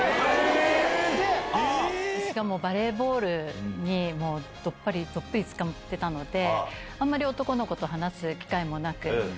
バレーボールにどっぷり漬かってたのであんまり男の子と話す機会もなく。